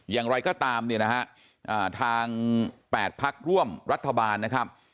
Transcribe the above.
อย่างไรก็ตามเนี่ยนะฮะทาง๘พักร่วมรัฐบาลนะครับ